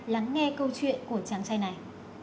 lắng nghe câu chuyện của chàng trai này